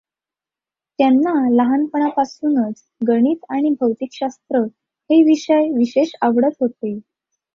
त्याना लहानपणापासुनच गणित आणि भौतिकशास्त्र हे विषय विशेष आवडत होते.